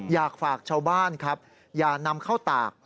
อยากฝากชาวบ้านครับอย่านำเข้าตาก